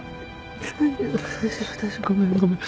大丈夫大丈夫ごめんごめん。